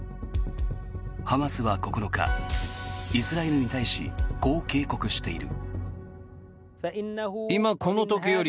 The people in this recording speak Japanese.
ハマスは９日、イスラエルに対しこう警告している。